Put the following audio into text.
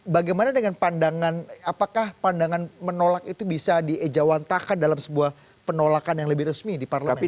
bagaimana dengan pandangan apakah pandangan menolak itu bisa diejawantakan dalam sebuah penolakan yang lebih resmi di parlemen